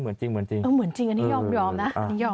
เหมือนจริงกันนี่ยอมนะ